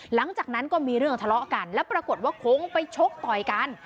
หลังจากนั้นก็มีเรื่องทะเลาะกันแล้วปรากฏว่าคงไปชกต่อยกัน